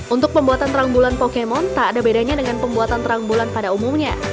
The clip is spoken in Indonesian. untuk pembuatan terang bulan pokemon tak ada bedanya dengan pembuatan terang bulan pada umumnya